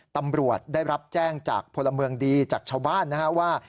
ตำรวจได้รับแจ้งจากพลเมืองดีจากชาวบ้านนะครับว่า